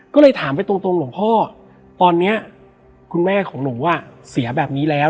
ก็เลยถามไปตรงหลวงพ่อตอนนี้คุณแม่ของหนูเสียแบบนี้แล้ว